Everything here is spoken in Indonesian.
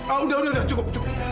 ah udah udah cukup cukup